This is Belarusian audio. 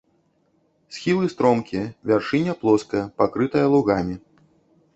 Схілы стромкія, вяршыня плоская, пакрытая лугамі.